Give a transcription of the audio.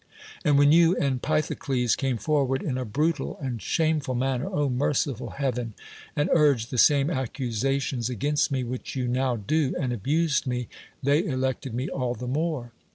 And when you and Pythocles came forward in a brutal and shameful man ner (0 merciful Heaven!) and urged the same accusations against me which you now do, and abused me, they elected me all the more.